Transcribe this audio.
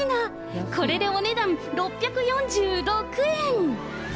これでお値段６４６円。